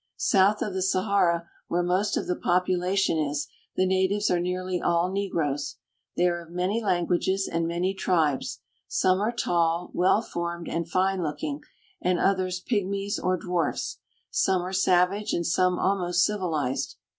South of the Sahara, where most of the population is, the natives are nearly all negroes. They are of many languages and many tribes ; some are tall, well formed, and fine looking, and others pygmies or dwarfs ; some are savage, and some almost civilized.